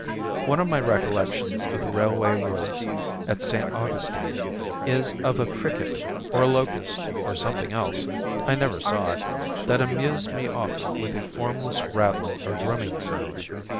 One of my recollections of the railway woods at St. Augustine is of a cricket, or locust, or something else, I never saw it, that amused me often with a formless rattling or drumming sound.